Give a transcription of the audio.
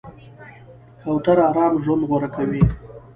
کوتره آرام ژوند غوره کوي.